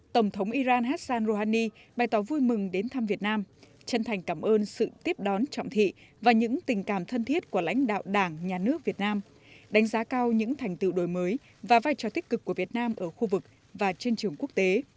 tổng thống iran hassan rouhani bày tỏ vui mừng đến thăm việt nam chân thành cảm ơn sự tiếp đón trọng thị và những tình cảm thân thiết của lãnh đạo đảng nhà nước việt nam đánh giá cao những thành tựu đổi mới và vai trò tích cực của việt nam ở khu vực và trên trường quốc tế